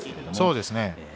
そうですね